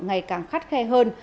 ngày càng khắt khe hơn